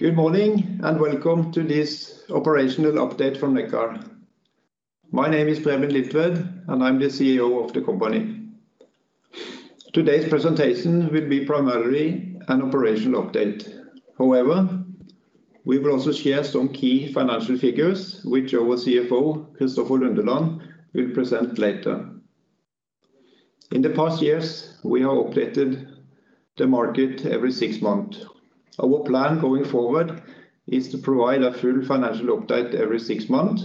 Good morning, welcome to this operational update from Nekkar. My name is Preben Liltved, and I'm the CEO of the company. Today's presentation will be primarily an operational update. However, we will also share some key financial figures, which our CFO, Kristoffer Lundeland, will present later. In the past years, we have updated the market every six months. Our plan, going forward, is to provide a full financial update every six months,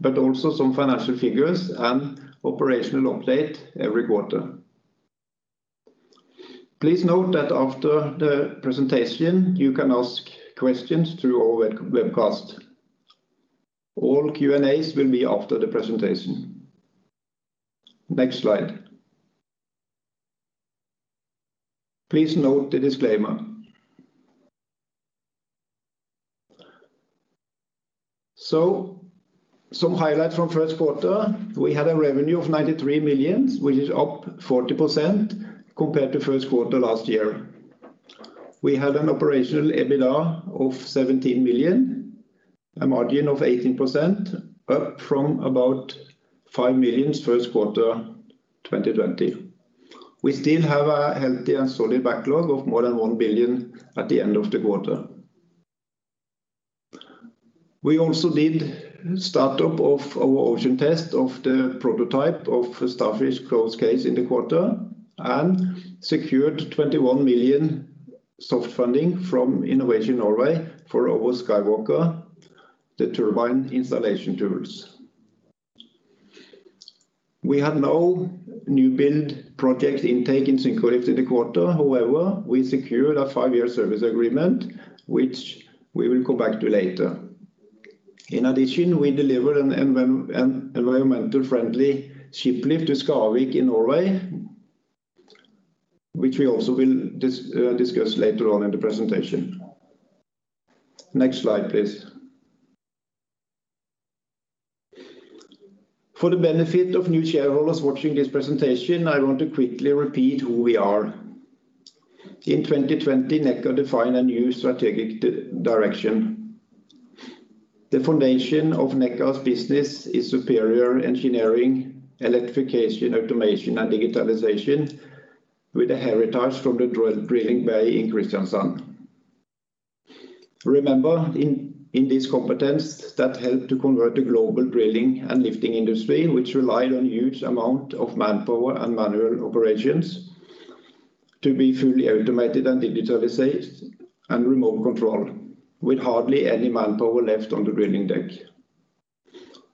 but also some financial figures and operational update every quarter. Please note that after the presentation, you can ask questions through our webcast. All Q&As will be after the presentation. Next slide. Please note the disclaimer. Some highlights from first quarter. We had a revenue of 93 million, which is up 40% compared to first quarter last year. We had an operational EBITDA of 17 million, a margin of 18%, up from about 5 million first quarter 2020. We still have a healthy and solid backlog of more than 1 billion at the end of the quarter. We also did startup of our ocean test of the prototype of the Starfish closed cage in the quarter, and secured 21 million soft funding from Innovation Norway for our SkyWalker, the turbine installation tools. We have no new build project intake in Syncrolift in the quarter. We secured a five-year service agreement, which we will come back to later. We delivered an environmental friendly ship lift to Skarvik in Norway, which we also will discuss later on in the presentation. Next slide, please. For the benefit of new shareholders watching this presentation, I want to quickly repeat who we are. In 2020, Nekkar defined a new strategic direction. The foundation of Nekkar's business is superior engineering, electrification, automation, and digitalization, with a heritage from the drilling industry in Kristiansand. Remember, in this competence that helped to convert the global drilling and lifting industry, which relied on huge amount of manpower and manual operations to be fully automated and digitalized and remote controlled, with hardly any manpower left on the drilling deck.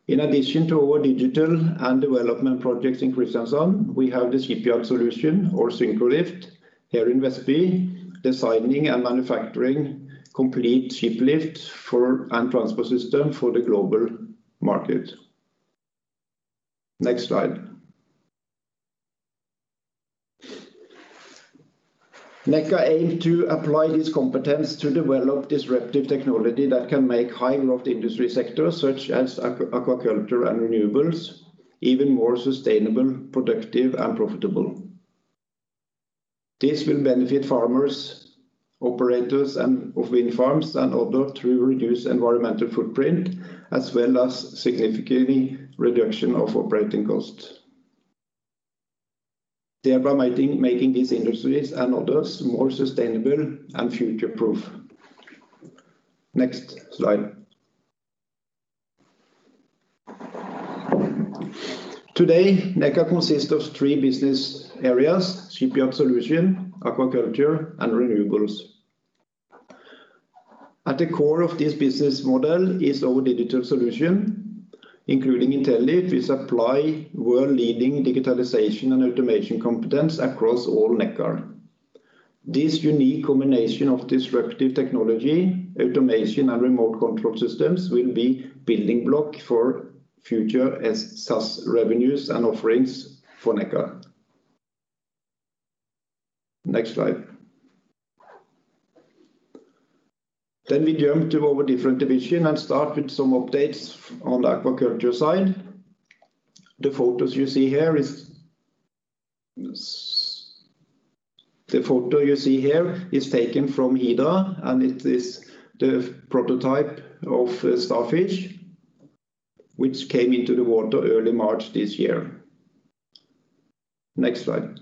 In addition to our digital and development projects in Kristiansand, we have the shipyard solution, or Syncrolift here in Vestby, designing and manufacturing complete shiplift and transport system for the global market. Next slide. Nekkar aim to apply this competence to develop disruptive technology that can make high-growth industry sectors, such as aquaculture and renewables, even more sustainable, productive and profitable. This will benefit farmers, operators of wind farms and others through reduced environmental footprint, as well as significant reduction of operating costs, thereby making these industries and others more sustainable and future-proof. Next slide. Today, Nekkar consists of three business areas: shipyard solution, aquaculture, and renewables. At the core of this business model is our digital solution, including Intellilift which apply world-leading digitalization and automation competence across all Nekkar. This unique combination of disruptive technology, automation and remote control systems will be building block for future SaaS revenues and offerings for Nekkar. Next slide. We jump to our different division and start with some updates on the aquaculture side. The photo you see here is taken from Hidra, and it is the prototype of Starfish, which came into the water early March this year. Next slide.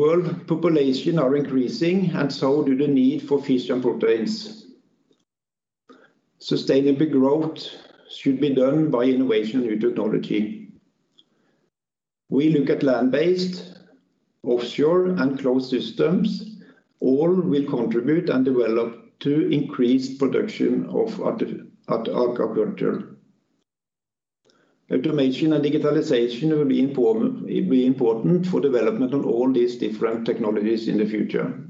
World population are increasing, and so do the need for fish and proteins. Sustainable growth should be done by innovation new technology. We look at land-based, offshore, and closed systems. All will contribute and develop to increased production of aquaculture. Automation and digitalization will be important for development on all these different technologies in the future.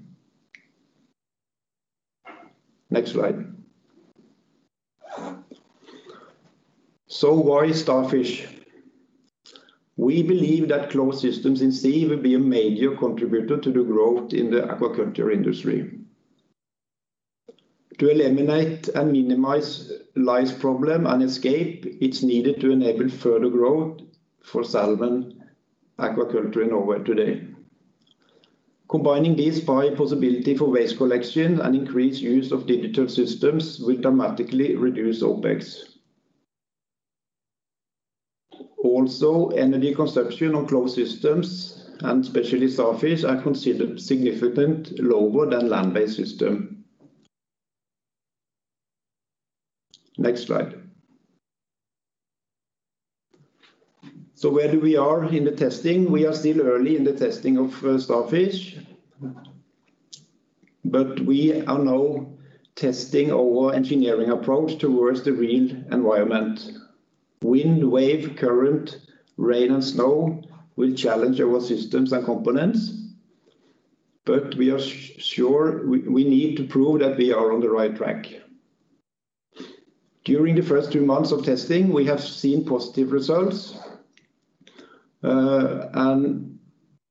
Next slide. Why Starfish? We believe that closed systems in sea will be a major contributor to the growth in the aquaculture industry. To eliminate and minimize lice problem and escape, it's needed to enable further growth for salmon aquaculture in Norway today. Combining this by possibility for waste collection and increased use of digital systems will dramatically reduce OPEX. Also, energy consumption on closed systems, and especially Starfish, are considered significant lower than land-based system. Next slide. Where do we are in the testing? We are still early in the testing of Starfish. We are now testing our engineering approach towards the real environment. Wind, wave, current, rain, and snow will challenge our systems and components. We are sure we need to prove that we are on the right track. During the first two months of testing, we have seen positive results.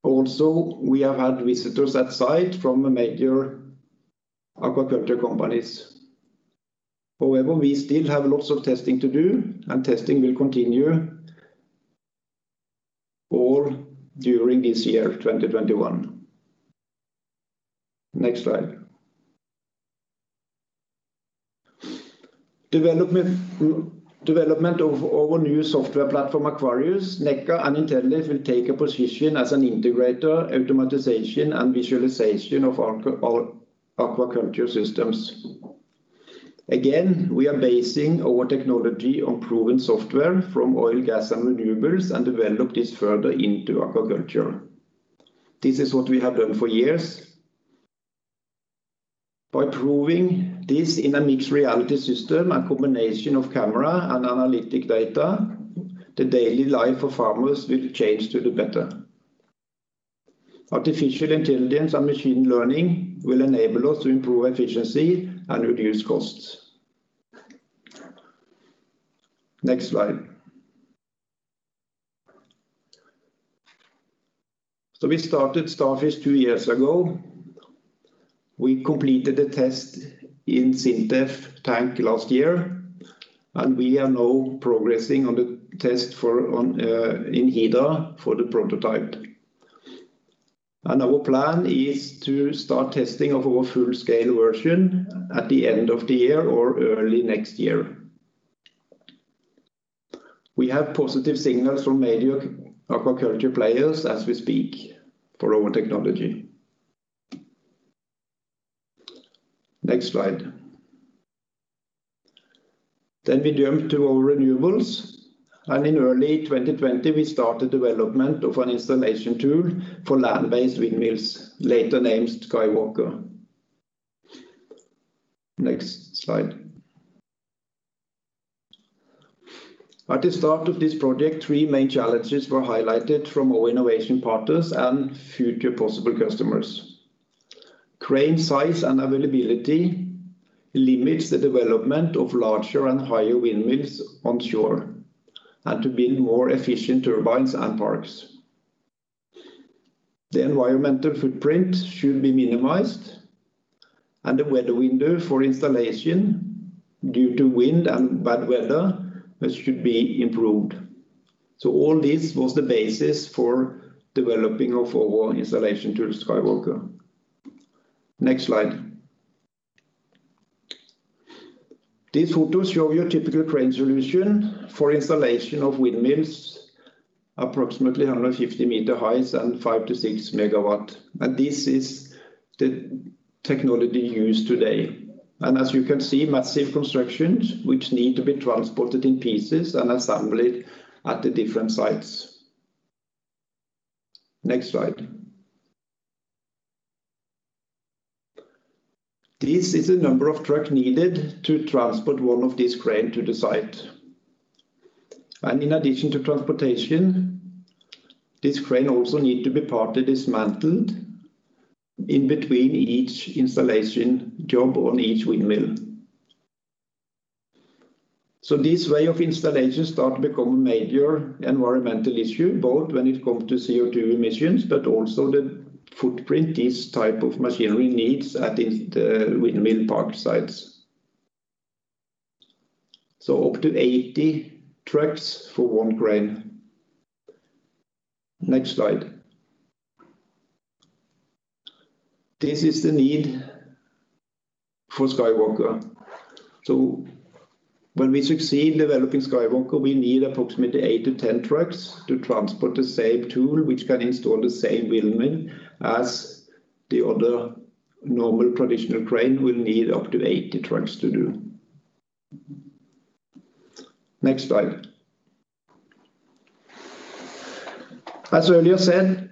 Also we have had visitors at site from major aquaculture companies. However, we still have lots of testing to do, and testing will continue all during this year, 2021. Next slide. Development of our new software platform, Aquarius, Nekkar and Intellilift will take a position as an integrator, automation, and visualization of our aquaculture systems. We are basing our technology on proven software from oil, gas, and renewables, and develop this further into aquaculture. This is what we have done for years. By proving this in a mixed reality system, a combination of camera and analytical data, the daily life of farmers will change to the better. Artificial intelligence and machine learning will enable us to improve efficiency and reduce costs. Next slide. We started Starfish two years ago. We completed a test in SINTEF tank last year, and we are now progressing on the test in Hidra for the prototype. Our plan is to start testing of our full-scale version at the end of the year or early next year. We have positive signals from major aquaculture players as we speak for our technology. Next slide. We jump to our renewables, and in early 2020, we started development of an installation tool for land-based windmills, later named SkyWalker. Next slide. At the start of this project, three main challenges were highlighted from our innovation partners and future possible customers. Crane size and availability limits the development of larger and higher windmills on shore, and to build more efficient turbines and parks. The environmental footprint should be minimized, and the weather window for installation, due to wind and bad weather, that should be improved. All this was the basis for developing of our installation tool, SkyWalker. Next slide. These photos show you a typical crane solution for installation of windmills approximately 150 meter heights and 5 MW-6 MW. This is the technology used today. As you can see, massive constructions, which need to be transported in pieces and assembled at the different sites. Next slide. This is the number of truck needed to transport one of this crane to the site. In addition to transportation, this crane also need to be partly dismantled in between each installation job on each windmill. This way of installation start to become a major environmental issue, both when it come to CO2 emissions, but also the footprint this type of machinery needs at the windmill park sites. Up to 80 trucks for one crane. Next slide. This is the need for SkyWalker. When we succeed developing SkyWalker, we need approximately eight to 10 trucks to transport the same tool, which can install the same windmill as the other normal traditional crane will need up to 80 trucks to do. Next slide. As earlier said,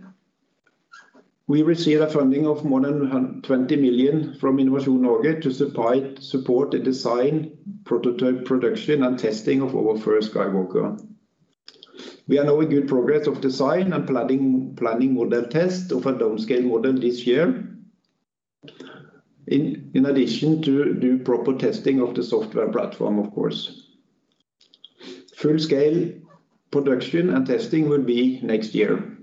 we receive a funding of more than 21 million from Innovation Norway to support the design, prototype production, and testing of our first SkyWalker. We are now in good progress of design and planning model test of a downscale model this year, in addition to do proper testing of the software platform, of course. Full scale production and testing will be next year.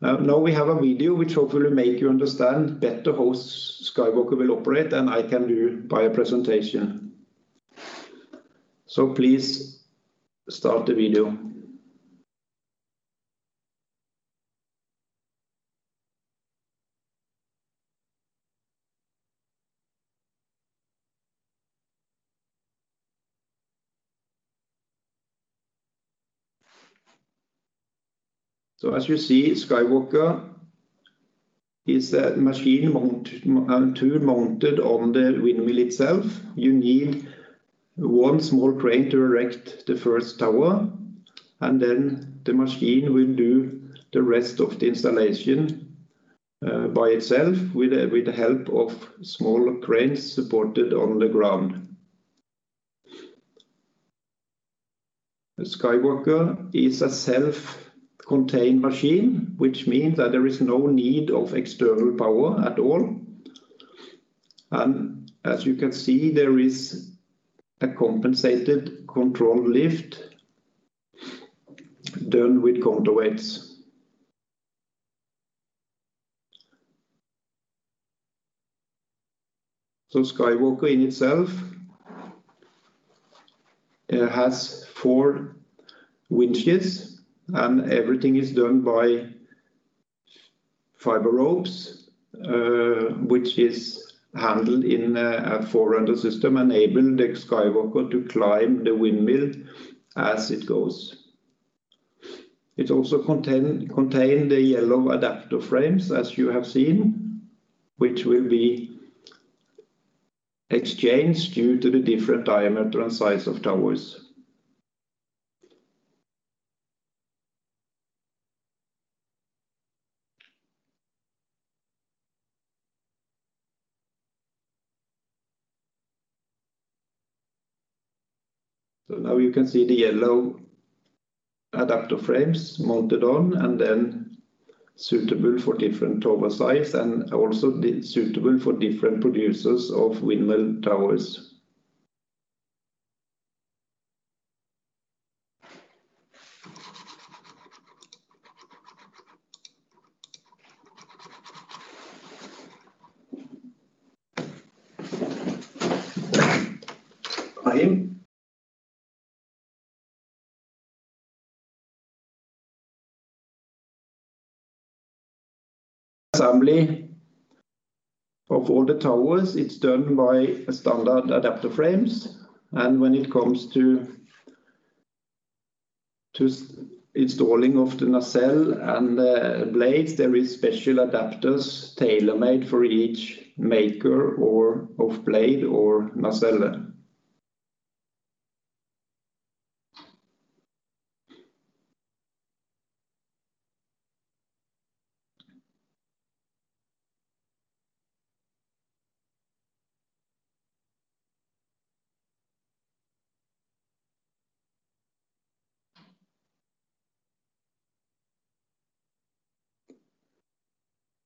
We have a video which hopefully make you understand better how SkyWalker will operate than I can do by a presentation. Please start the video. As you see, SkyWalker is a machine and tool mounted on the windmill itself. You need one small crane to erect the first tower, the machine will do the rest of the installation by itself with the help of small cranes supported on the ground. The SkyWalker is a self-contained machine, which means that there is no need of external power at all. As you can see, there is a compensated control lift done with counterweights. SkyWalker in itself has four winches, and everything is done by fiber ropes which is handled in a four-render system, enabling the SkyWalker to climb the windmill as it goes. It also contain the yellow adapter frames as you have seen, which will be exchanged due to the different diameter and size of towers. Now you can see the yellow adapter frames mounted on and then suitable for different tower size and also suitable for different producers of windmill towers. Assembly of all the towers, it's done by standard adapter frames. When it comes to installing of the nacelle and the blades, there is special adapters tailor-made for each maker of blade or nacelle.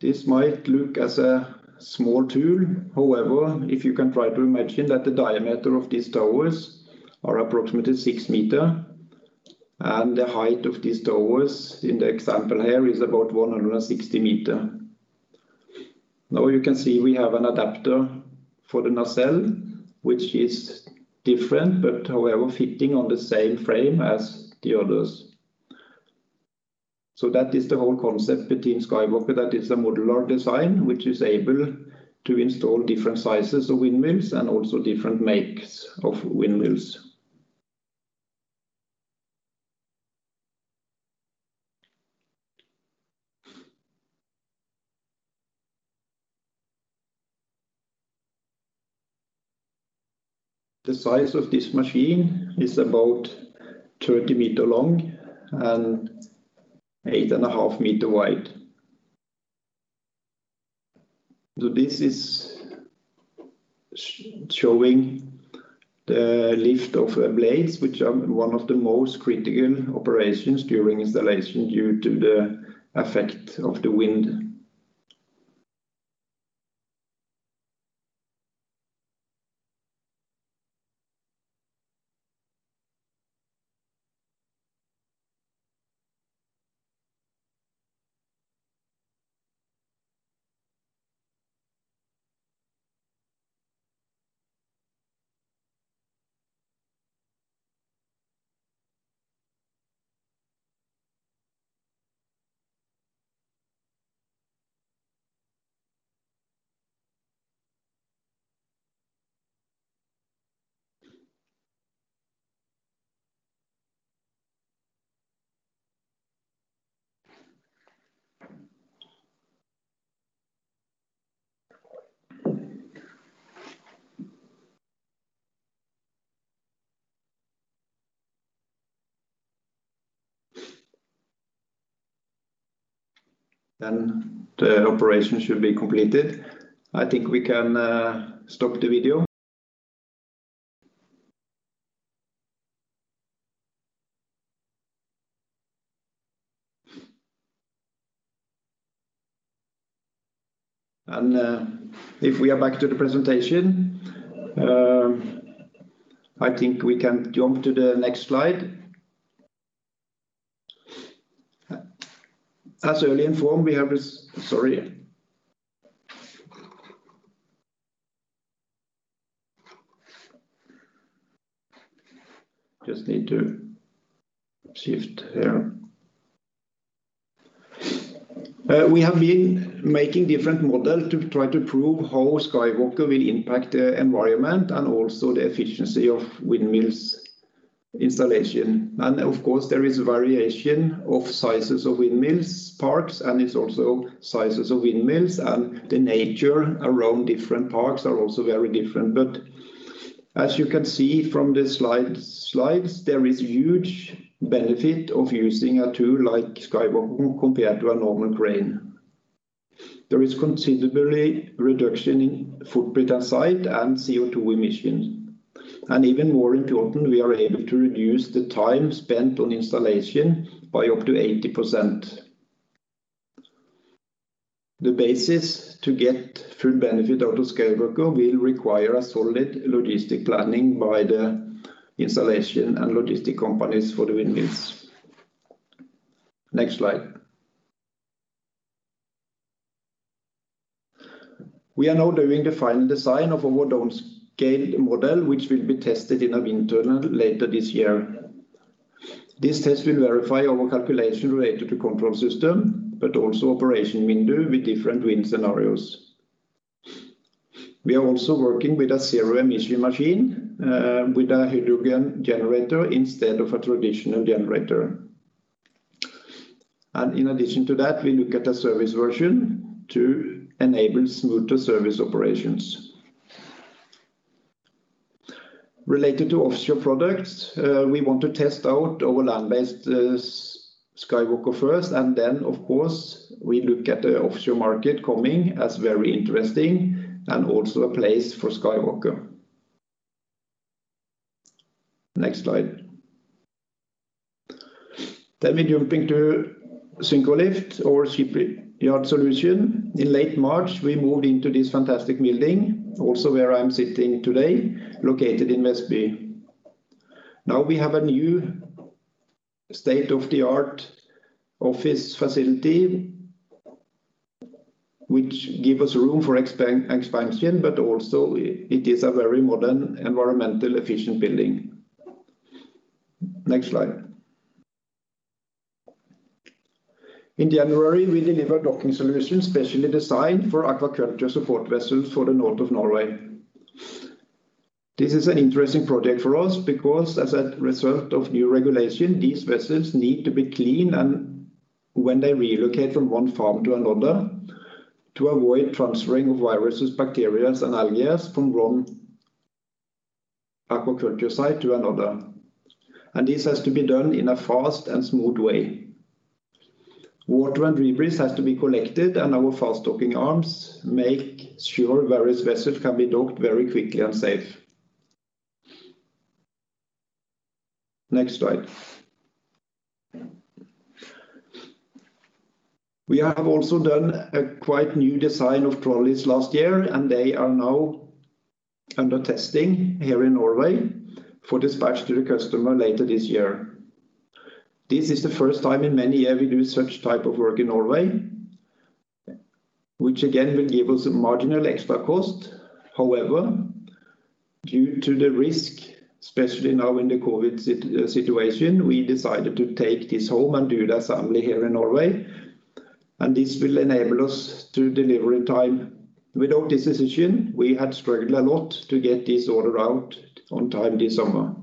This might look as a small tool. However, if you can try to imagine that the diameter of these towers are approximately six meters, and the height of these towers in the example here is about 160 meters. Now you can see we have an adapter for the nacelle, which is different, but, however, fitting on the same frame as the others. That is the whole concept between SkyWalker, that is a modular design, which is able to install different sizes of windmills and also different makes of windmills. The size of this machine is about 30 meters long and 8.5 meters wide. This is showing the lift of the blades, which are one of the most critical operations during installation due to the effect of the wind. The operation should be completed. I think we can stop the video. If we are back to the presentation, I think we can jump to the next slide. As earlier informed, we have a Sorry. Just need to shift here. We have been making different model to try to prove how SkyWalker will impact the environment and also the efficiency of windmills installation. Of course, there is variation of sizes of windmills parks, and it's also sizes of windmills, and the nature around different parks are also very different. As you can see from the slides, there is huge benefit of using a tool like SkyWalker compared to a normal crane. There is considerably reduction in footprint on site and CO2 emissions. Even more important, we are able to reduce the time spent on installation by up to 80%. The basis to get full benefit out of SkyWalker will require a solid logistic planning by the installation and logistic companies for the windmills. Next slide. We are now doing the final design of our downscaled model, which will be tested in our wind tunnel later this year. This test will verify our calculation related to control system, but also operation window with different wind scenarios. We are also working with a zero emission machine, with a hydrogen generator instead of a traditional generator. In addition to that, we look at a service version to enable smoother service operations. Related to offshore products, we want to test out our land-based SkyWalker first, and then of course, we look at the offshore market coming as very interesting and also a place for SkyWalker. Next slide. We jumping to shiplift or shipyard solution. In late March, we moved into this fantastic building, also where I'm sitting today, located in Vestby. Now we have a new state-of-the-art office facility, which give us room for expansion, but also it is a very modern, environmental efficient building. Next slide. In January, we delivered docking solution specially designed for aquaculture support vessels for the north of Norway. This is an interesting project for us because, as a result of new regulation, these vessels need to be clean and when they relocate from one farm to another, to avoid transferring of viruses, bacteria, and algae from one aquaculture site to another. This has to be done in a fast and smooth way. Water and debris has to be collected, and our fast docking arms make sure various vessels can be docked very quickly and safe. Next slide. We have also done a quite new design of trolleys last year, and they are now under testing here in Norway for dispatch to the customer later this year. This is the first time in many year we do such type of work in Norway, which again, will give us a marginal extra cost. Due to the risk, especially now in the COVID situation, we decided to take this home and do the assembly here in Norway, and this will enable us to deliver in time. Without this decision, we had struggled a lot to get this order out on time this summer.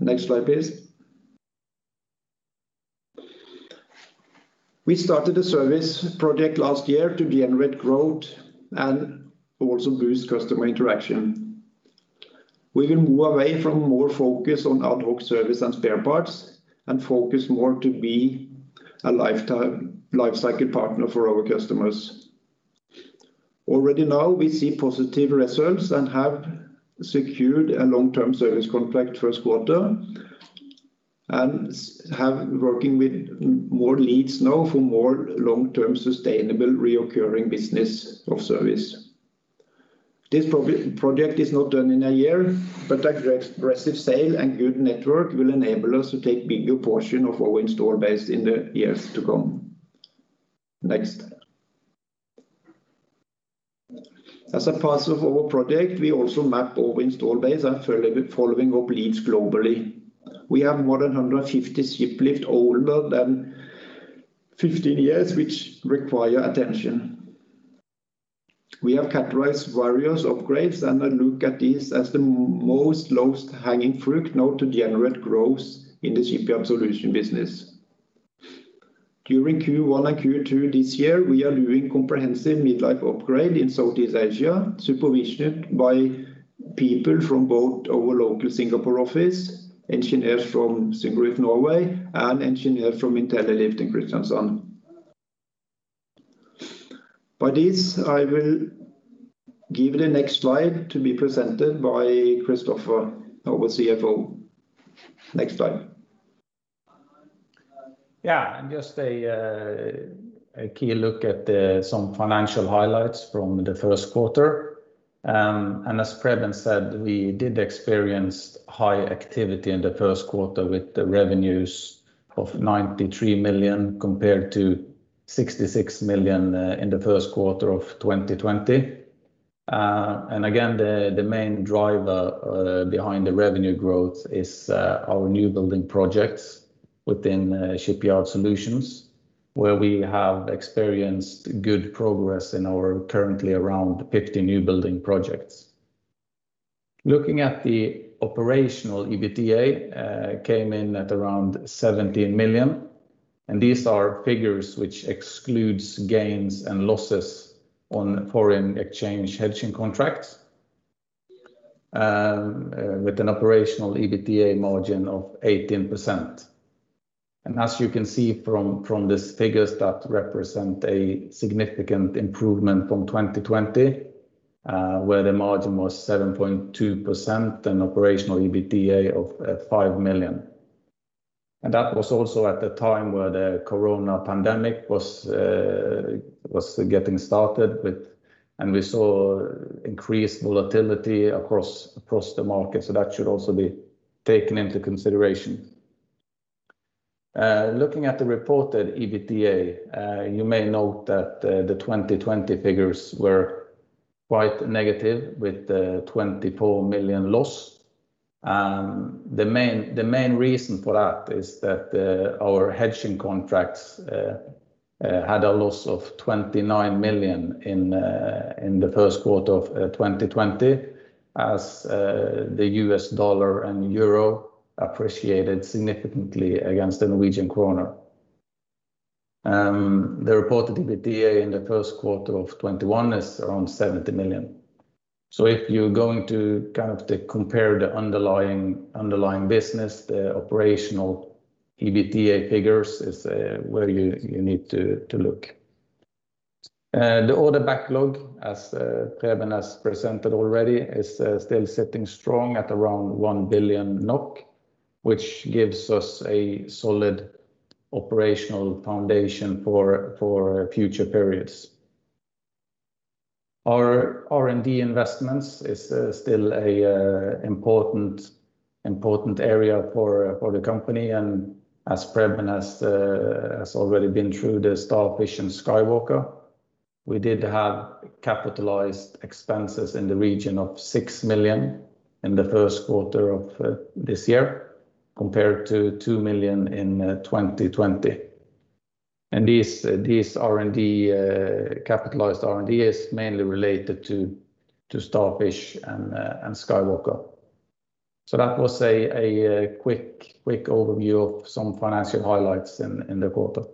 Next slide, please. We started a service project last year to generate growth and also boost customer interaction. We will move away from more focus on ad hoc service and spare parts, and focus more to be a lifecycle partner for our customers. Already now we see positive results and have secured a long-term service contract first quarter, and have working with more leads now for more long-term sustainable reoccurring business of service. This project is not done in a year, aggressive sale and good network will enable us to take bigger portion of our install base in the years to come. Next. As a part of our project, we also map our install base and following up leads globally. We have more than 150 shiplifts older than 15 years, which require attention. We have categorized various upgrades and look at these as the lowest hanging fruit now to generate growth in the shipyard solution business. During Q1 and Q2 this year, we are doing comprehensive midlife upgrade in Southeast Asia, supervised by people from both our local Singapore office, engineers from Syncrolift Norway and engineers from Intellilift in Kristiansand. By this, I will give the next slide to be presented by Kristoffer, our CFO. Next slide. Yeah, just a key look at some financial highlights from the first quarter. As Preben said, we did experience high activity in the first quarter with the revenues of 93 million, compared to 66 million in the first quarter of 2020. Again, the main driver behind the revenue growth is our new building projects within shipyard solutions, where we have experienced good progress in our currently around 50 new building projects. Looking at the operational EBITDA, came in at around 17 million. These are figures which excludes gains and losses on foreign exchange hedging contracts, with an operational EBITDA margin of 18%. As you can see from these figures that represent a significant improvement from 2020, where the margin was 7.2% and operational EBITDA of 5 million. That was also at the time where the COVID pandemic was getting started with, and we saw increased volatility across the market. That should also be taken into consideration. Looking at the reported EBITDA, you may note that the 2020 figures were quite negative, with the 24 million loss. The main reason for that is that our hedging contracts had a loss of 29 million in the first quarter of 2020 as the US dollar and euro appreciated significantly against the Norwegian kroner. The reported EBITDA in the first quarter of 2021 is around 70 million. If you're going to compare the underlying business, the operational EBITDA figures is where you need to look. The order backlog, as Preben has presented already, is still sitting strong at around 1 billion NOK, which gives us a solid operational foundation for future periods. Our R&D investments is still a important area for the company and as Preben has already been through the Starfish and SkyWalker, we did have capitalized expenses in the region of 6 million in the first quarter of this year, compared to 2 million in 2020. These capitalized R&D is mainly related to Starfish and SkyWalker. That was a quick overview of some financial highlights in the quarter.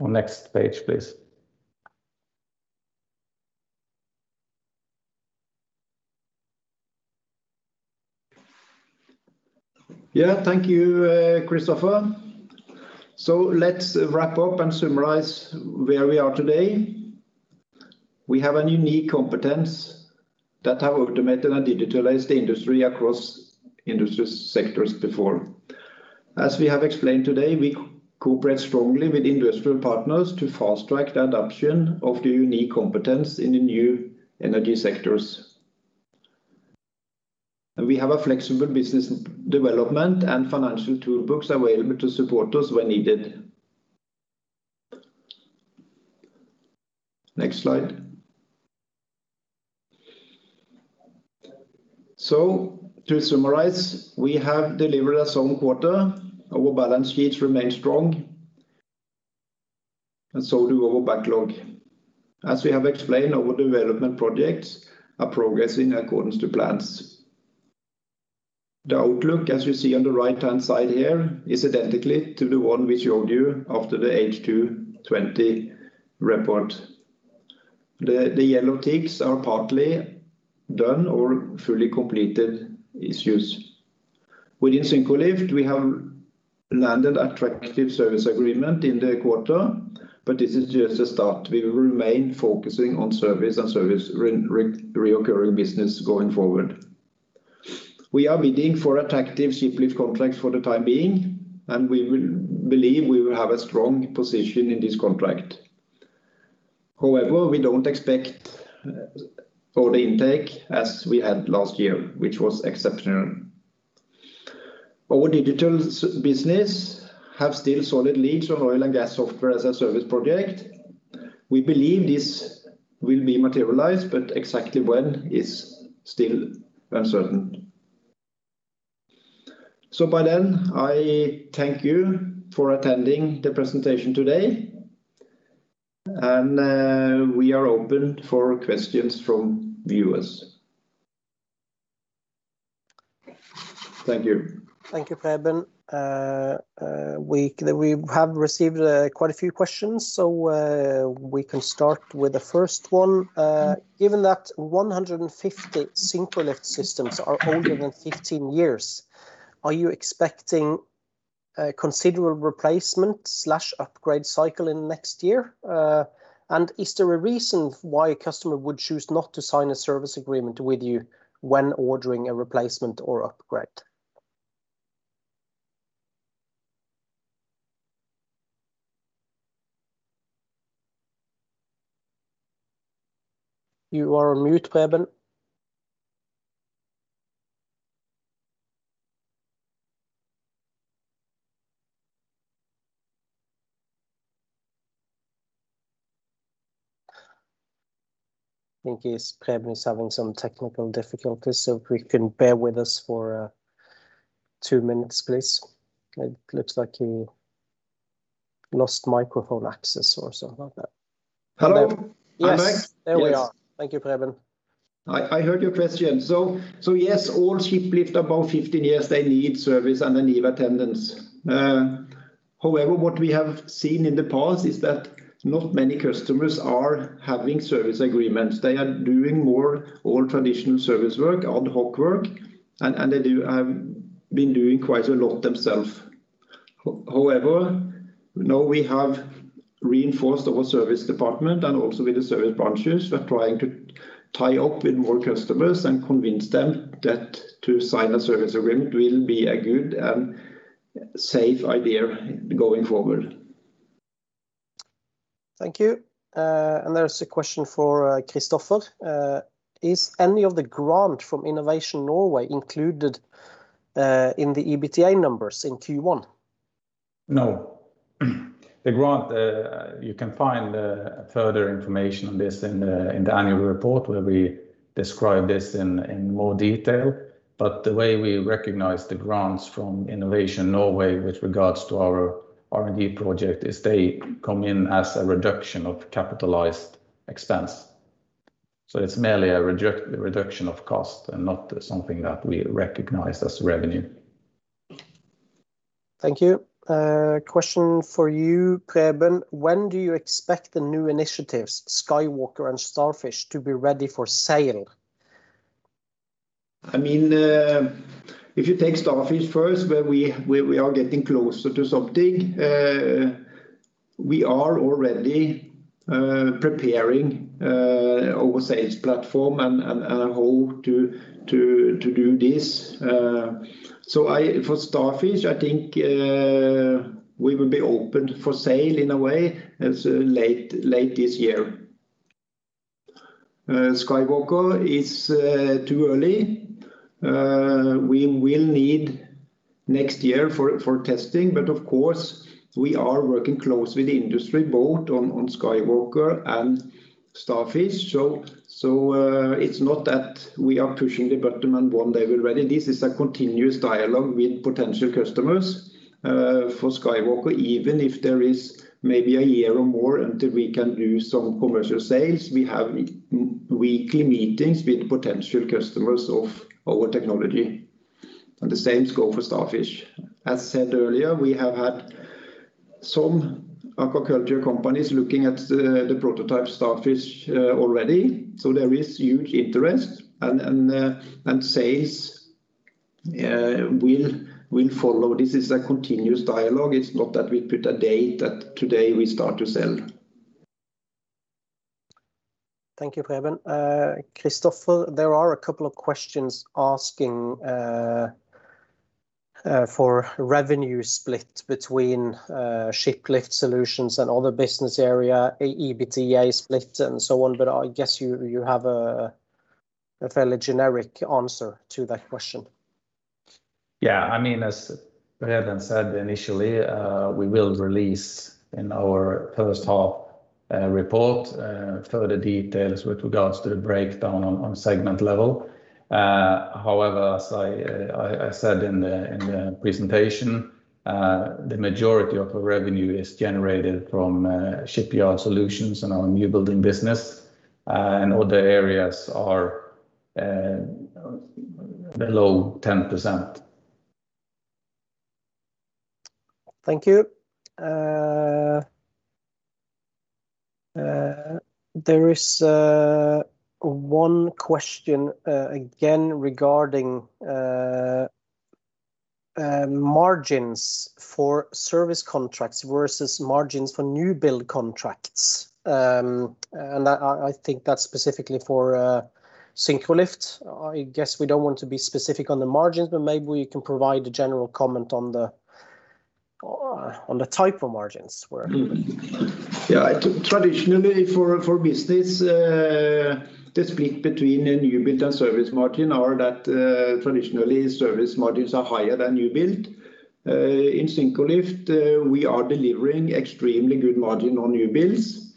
Next page, please. Yeah, thank you, Kristoffer. Let's wrap up and summarize where we are today. We have an unique competence that have automated and digitalized the industry across industry sectors before. As we have explained today, we cooperate strongly with industrial partners to fast-track the adoption of the unique competence in the new energy sectors. We have a flexible business development and financial toolbox available to support us when needed. Next slide. To summarize, we have delivered a strong quarter. Our balance sheets remain strong, and so do our backlog. As we have explained, our development projects are progressing according to plans. The outlook, as you see on the right-hand side here, is identical to the one we showed you after the H2 2020 report. The yellow ticks are partly done or fully completed issues. Within Syncrolift, we have landed attractive service agreement in the quarter. This is just a start. We will remain focusing on service and service reoccurring business going forward. We are bidding for attractive shiplift contract for the time being. We believe we will have a strong position in this contract. However, we don't expect order intake as we had last year, which was exceptional. Our digital business have still solid leads on oil and gas Software as a Service project. We believe this will be materialized. Exactly when is still uncertain. By then, I thank you for attending the presentation today. We are open for questions from viewers. Thank you. Thank you, Preben. We have received quite a few questions, so we can start with the first one. Given that 150 Syncrolift systems are older than 15 years, are you expecting? a considerable replacement/upgrade cycle in next year? Is there a reason why a customer would choose not to sign a service agreement with you when ordering a replacement or upgrade? You are on mute, Preben. I think Preben is having some technical difficulties, so if you can bear with us for two minutes, please. It looks like he lost microphone access or something like that. Hello? Yes. There we are. Thank you, Preben. I heard your question. Yes, all shiplift above 15 years, they need service and they need attendance. However, what we have seen in the past is that not many customers are having service agreements. They are doing more all traditional service work, ad hoc work, and they have been doing quite a lot themselves. However, now we have reinforced our service department and also with the service branches. We're trying to tie up with more customers and convince them that to sign a service agreement will be a good and safe idea going forward. Thank you. There's a question for Kristoffer. Is any of the grant from Innovation Norway included in the EBITDA numbers in Q1? No. The grant, you can find further information on this in the annual report where we describe this in more detail. The way we recognize the grants from Innovation Norway with regards to our R&D project is they come in as a reduction of capitalized expense. It's merely a reduction of cost and not something that we recognize as revenue. Thank you. A question for you, Preben. When do you expect the new initiatives, SkyWalker and Starfish, to be ready for sale? If you take Starfish first, we are getting closer to something. We are already preparing our sales platform and how to do this. For Starfish, I think we will be open for sale in a way late this year. SkyWalker is too early. We will need next year for testing, but of course, we are working closely with industry both on SkyWalker and Starfish. It's not that we are pushing the button and one day we're ready. This is a continuous dialogue with potential customers. For SkyWalker, even if there is maybe a year or more until we can do some commercial sales, we have weekly meetings with potential customers of our technology, and the same goes for Starfish. As said earlier, we have had some aquaculture companies looking at the prototype Starfish already. There is huge interest, and sales will follow. This is a continuous dialogue. It's not that we put a date that today we start to sell. Thank you, Preben. Kristoffer, there are a couple of questions asking for revenue split between shiplift solutions and other business area, EBITDA splits and so on, but I guess you have a fairly generic answer to that question. Yeah. As Preben said initially, we will release in our first half report further details with regards to the breakdown on segment level. However, as I said in the presentation, the majority of the revenue is generated from shipyard solutions and our new building business. Other areas are below 10%. Thank you. There is one question again regarding margins for service contracts versus margins for new build contracts. I think that's specifically for Syncrolift. I guess we don't want to be specific on the margins, but maybe we can provide a general comment on the type of margins. Yeah. Traditionally for business, the split between a new build and service margin are that traditionally service margins are higher than new build. In Syncrolift, we are delivering extremely good margin on new builds.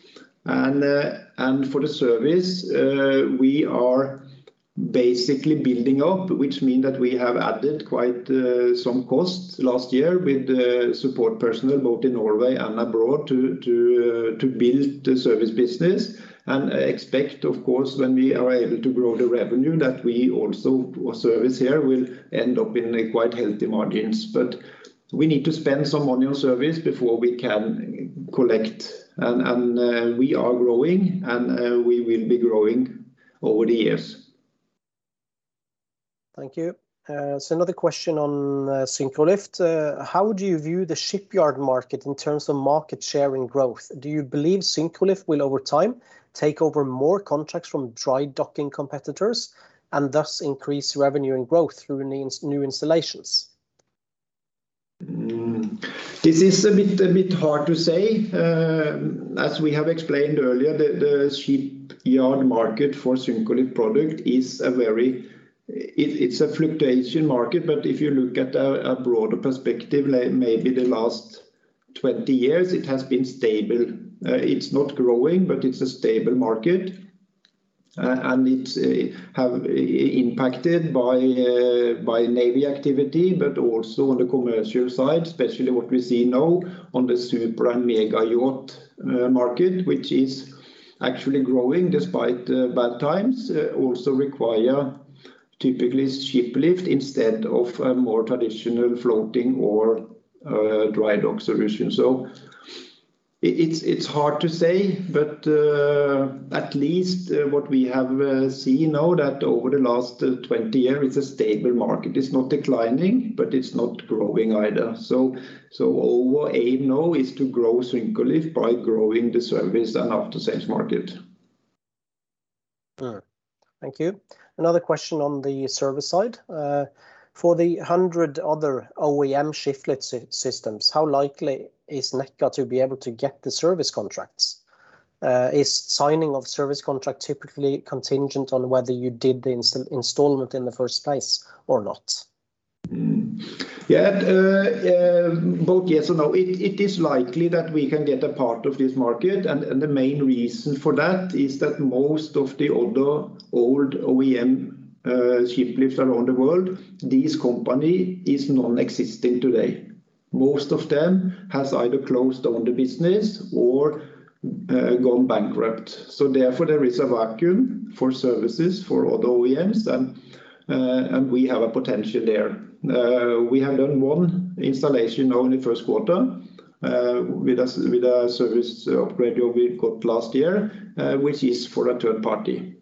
For the service, we are basically building up, which mean that we have added quite some costs last year with support personnel both in Norway and abroad to build the service business. Expect, of course, when we are able to grow the revenue, that our service here will end up in quite healthy margins. We need to spend some money on service before we can collect. We are growing, and we will be growing over the years. Thank you. Another question on Syncrolift. How do you view the shipyard market in terms of market share and growth? Do you believe Syncrolift will, over time, take over more contracts from dry docking competitors and thus increase revenue and growth through new installations? This is a bit hard to say. As we have explained earlier, the shipyard market for Syncrolift product is a fluctuating market, but if you look at a broader perspective, maybe the last 20 years, it has been stable. It is not growing, but it is a stable market, and it is impacted by navy activity. Also on the commercial side, especially what we see now on the super and mega-yacht market, which is actually growing despite bad times, also require typically shiplift instead of a more traditional floating or dry dock solution. It is hard to say, but at least what we have seen now that over the last 20 years, it is a stable market. It is not declining, but it is not growing either. Our aim now is to grow Syncrolift by growing the service and after-sales market. Thank you. Another question on the service side. For the 100 other OEM shiplift systems, how likely is Nekkar to be able to get the service contracts? Is signing of service contract typically contingent on whether you did the installment in the first place or not? Both yes and no. It is likely that we can get a part of this market, and the main reason for that is that most of the other old OEM shiplifts around the world, these company is non-existing today. Most of them has either closed down the business or gone bankrupt. Therefore, there is a vacuum for services for other OEMs, and we have a potential there. We have done one installation now in the first quarter, with a service operator we got last year, which is for a third party.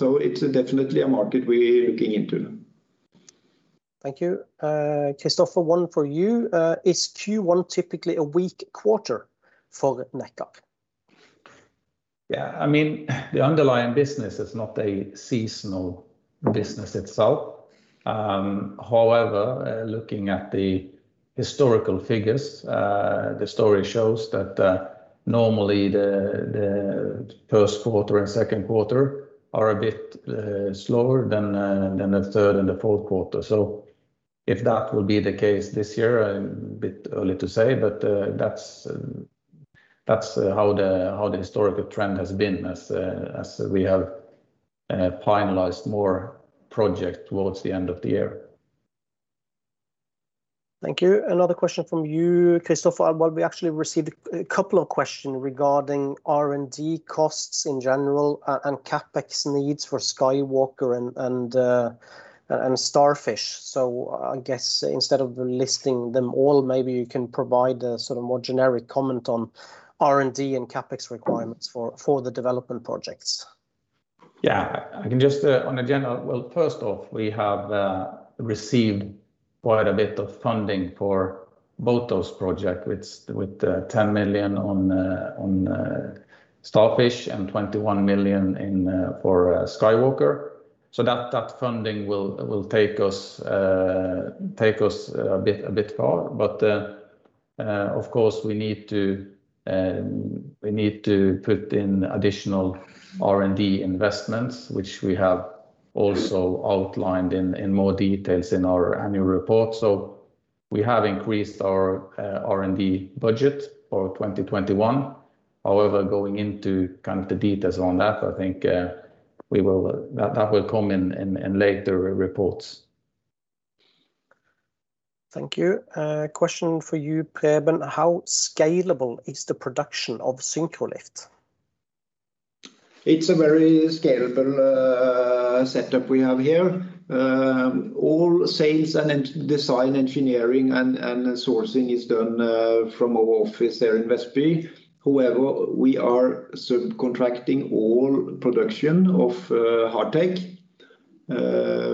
It's definitely a market we are looking into. Thank you. Kristoffer, one for you. Is Q1 typically a weak quarter for Nekkar? Yeah. The underlying business is not a seasonal business itself. Looking at the historical figures, the story shows that normally the first quarter and second quarter are a bit slower than the third and the fourth quarter. If that will be the case this year, a bit early to say, but that's how the historical trend has been as we have finalized more project towards the end of the year. Thank you. Another question from you, Kristoffer. Well, we actually received a couple of questions regarding R&D costs in general and CapEx needs for SkyWalker and Starfish. I guess instead of listing them all, maybe you can provide a more generic comment on R&D and CapEx requirements for the development projects. First off, we have received quite a bit of funding for both those projects, with 10 million on Starfish and 21 million for SkyWalker. That funding will take us a bit far, but of course, we need to put in additional R&D investments, which we have also outlined in more details in our annual report. We have increased our R&D budget for 2021. However, going into the details on that, I think that will come in later reports. Thank you. Question for you, Preben. How scalable is the production of Syncrolift? It's a very scalable setup we have here. All sales and design engineering and sourcing is done from our office there in Vestby. We are subcontracting all production of hard tech.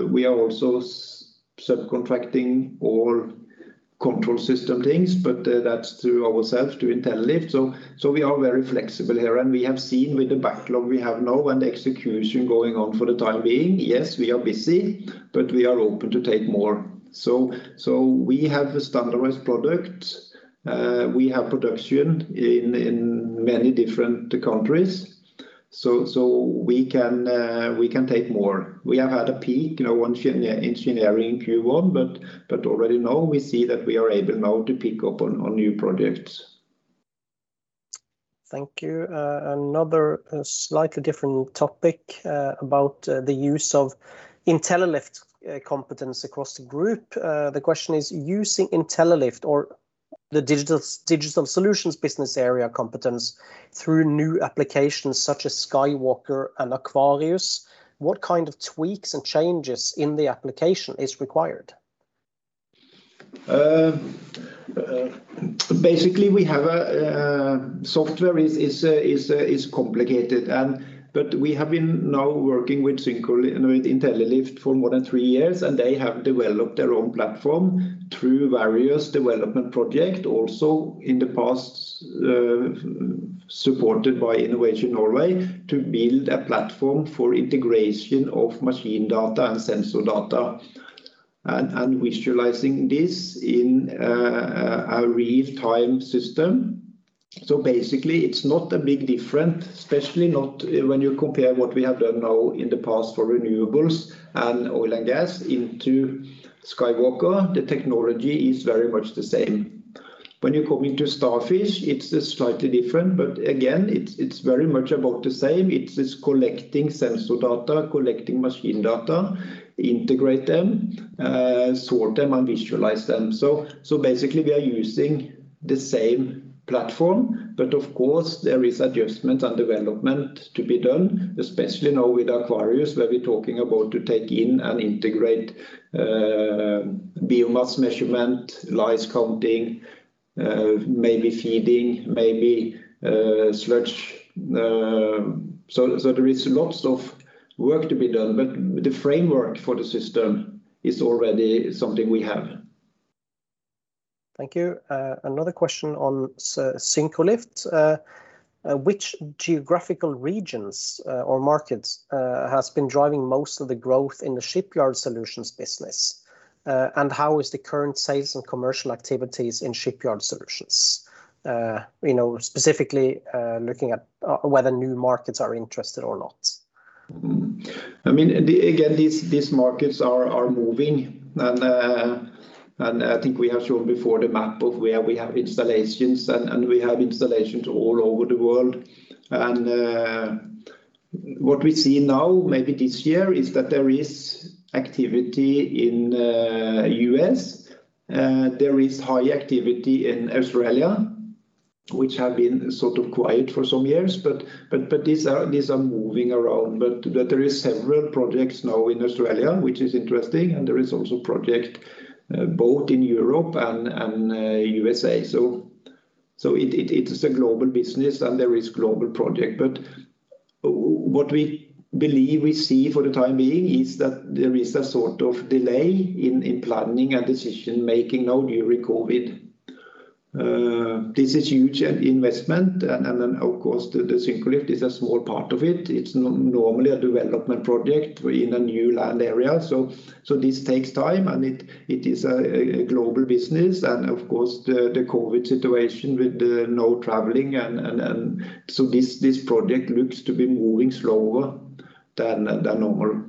We are also subcontracting all control system things, that's through ourselves, through Intellilift. We are very flexible here, we have seen with the backlog we have now and the execution going on for the time being, yes, we are busy, we are open to take more. We have a standardized product. We have production in many different countries, we can take more. We have had a peak on engineering Q1, already now we see that we are able now to pick up on new projects. Thank you. Another slightly different topic about the use of Intellilift competence across the group. The question is, using Intellilift or the digital solutions business area competence through new applications such as SkyWalker and Aquarius, what kind of tweaks and changes in the application is required? Software is complicated. We have been now working with Syncrolift and with Intellilift for more than three years, and they have developed their own platform through various development projects, also in the past, supported by Innovation Norway to build a platform for integration of machine data and sensor data and visualizing this in a real-time system. It's not a big difference, especially not when you compare what we have done now in the past for renewables and oil and gas into SkyWalker. The technology is very much the same. When you come into Starfish, it's slightly different, but again, it's very much about the same. It is collecting sensor data, collecting machine data, integrate them, sort them, and visualize them. Basically, we are using the same platform, but of course, there is adjustment and development to be done, especially now with Aquarius, where we're talking about to take in and integrate biomass measurement, lice counting, maybe feeding, maybe stretch. There is lots of work to be done, but the framework for the system is already something we have. Thank you. Another question on Syncrolift. Which geographical regions or markets has been driving most of the growth in the shipyard solutions business? How is the current sales and commercial activities in shipyard solutions? Specifically, looking at whether new markets are interested or not. These markets are moving. I think we have shown before the map of where we have installations. We have installations all over the world. What we see now, maybe this year, is that there is activity in U.S. There is high activity in Australia, which had been sort of quiet for some years. These are moving around. There are several projects now in Australia, which is interesting. There is also project both in Europe and U.S.A. It is a global business. There is global project. What we believe we see for the time being is that there is a sort of delay in planning and decision-making due to COVID. This is huge investment. Of course, the Syncrolift is a small part of it. It's normally a development project in a new land area. This takes time, and it is a global business. Of course, the COVID situation with no traveling, this project looks to be moving slower than normal.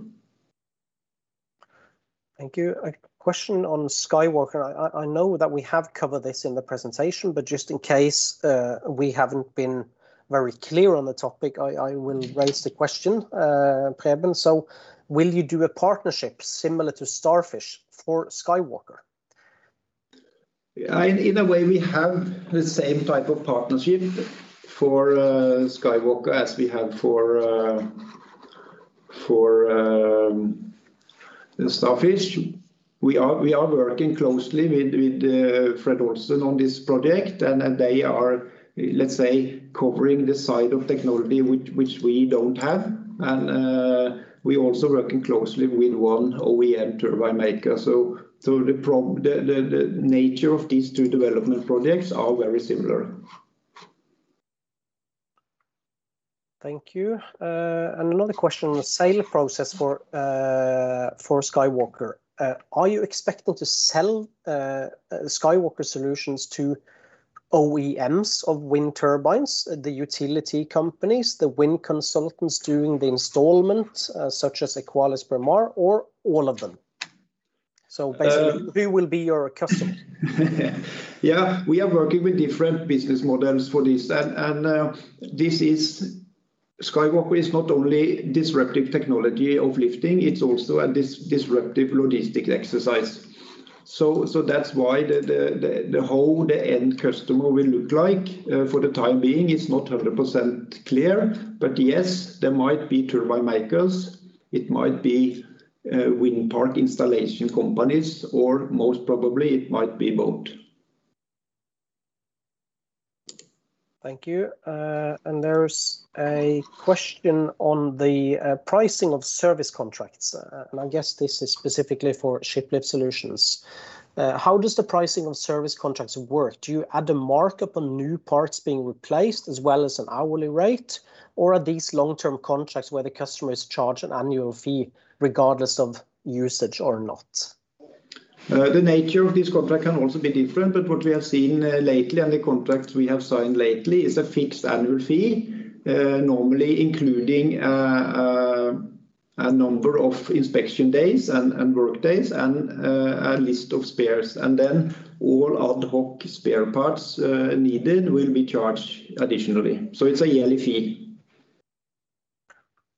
Thank you. A question on SkyWalker. I know that we have covered this in the presentation, but just in case we haven't been very clear on the topic, I will raise the question, Preben. Will you do a partnership similar to Starfish for SkyWalker? In a way, we have the same type of partnership for SkyWalker as we have for Starfish. We are working closely with Fred. Olsen on this project, and they are, let's say, covering the side of technology which we don't have. We're also working closely with one OEM turbine maker. The nature of these two development projects are very similar. Thank you. Another question on the sale process for SkyWalker. Are you expecting to sell SkyWalker solutions to OEMs of wind turbines, the utility companies, the wind consultants doing the installment, such as Equinor or Aker, or all of them? Who will be your customer? Yeah, we are working with different business models for this. SkyWalker is not only disruptive technology of lifting, it's also a disruptive logistic exercise. That's why the whole the end customer will look like, for the time being, it's not 100% clear. Yes, there might be turbine makers, it might be wind park installation companies, or most probably, it might be both. Thank you. There's a question on the pricing of service contracts, and I guess this is specifically for shiplift solutions. How does the pricing of service contracts work? Do you add a markup on new parts being replaced as well as an hourly rate, or are these long-term contracts where the customer is charged an annual fee regardless of usage or not? The nature of this contract can also be different, but what we have seen lately, the contracts we have signed lately is a fixed annual fee, normally including a number of inspection days and work days and a list of spares. All ad hoc spare parts needed will be charged additionally. It's a yearly fee.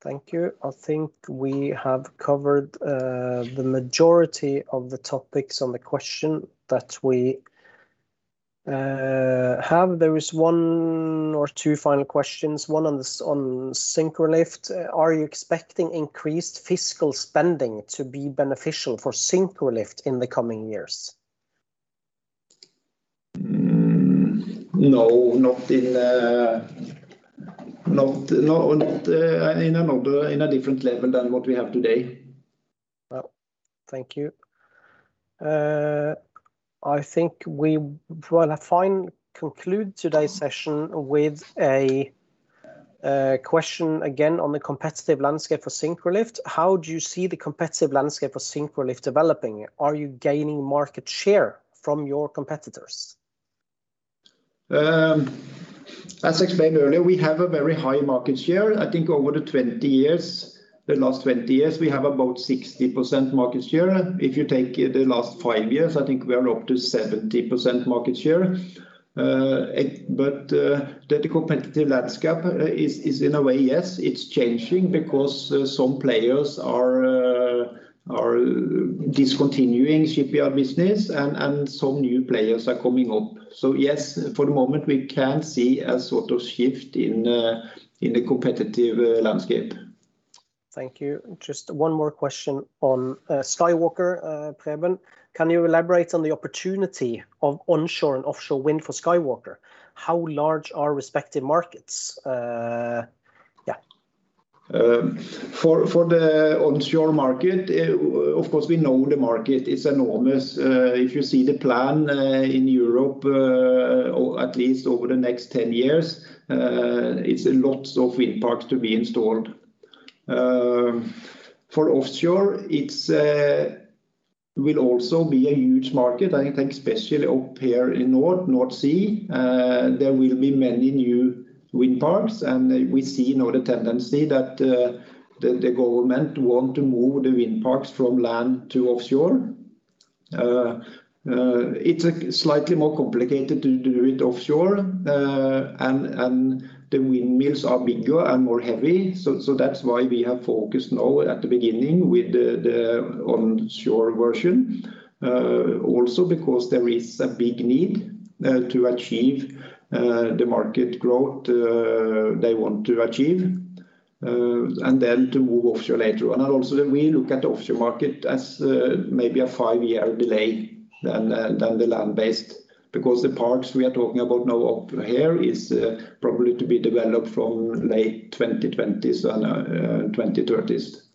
Thank you. I think we have covered the majority of the topics on the question that we-Have there is one or two final questions, one on Syncrolift. Are you expecting increased fiscal spending to be beneficial for Syncrolift in the coming years? No, not in a different level than what we have today. Well, thank you. I think we want to conclude today's session with a question again on the competitive landscape for Syncrolift. How do you see the competitive landscape of Syncrolift developing? Are you gaining market share from your competitors? As explained earlier, we have a very high market share. I think over the last 20 years, we have about 60% market share. If you take the last five years, I think we are up to 70% market share. The competitive landscape is in a way, yes, it's changing because some players are discontinuing shipping business and some new players are coming up. Yes, for the moment, we can see a sort of shift in the competitive landscape. Thank you. Just one more question on SkyWalker, Preben. Can you elaborate on the opportunity of onshore and offshore wind for SkyWalker? How large are respective markets? Yeah. For the onshore market, of course, we know the market is enormous. If you see the plan in Europe, at least over the next 10 years, it's lots of wind parks to be installed. For offshore, it will also be a huge market, I think especially up here in North Sea. There will be many new wind parks, and we see now the tendency that the government wants to move the wind parks from land to offshore. It's slightly more complicated to do it offshore, and the windmills are bigger and more heavy. That's why we have focused now at the beginning with the onshore version. Because there is a big need to achieve the market growth they want to achieve, and then to move offshore later on. Also, we look at offshore market as maybe a five-year delay than the land-based, because the parks we are talking about now up here is probably to be developed from late 2020s and 2030s.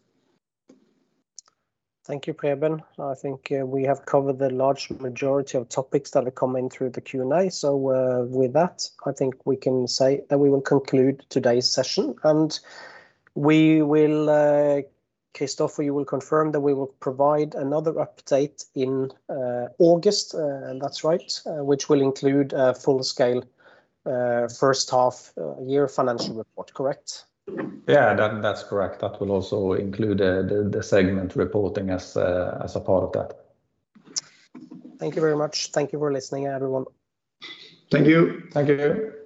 Thank you, Preben. I think we have covered the large majority of topics that are coming through the Q&A. With that, I think we can say that we will conclude today's session, and we will, Kristoffer, you will confirm that we will provide another update in August. That's right. Which will include a full-scale first half year financial report. Correct? Yeah, that's correct. That will also include the segment reporting as a part of that. Thank you very much. Thank you for listening, everyone. Thank you.